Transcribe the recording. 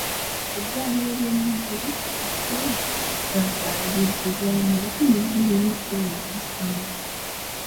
Eddwaliro ly'e Moyo ekkulu lyaddaabirizibwa mu nkumi bbiri mu kkumi na musanvu.